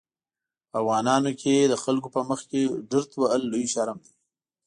په افغانانو کې د خلکو په مخکې ډرت وهل لوی شرم دی.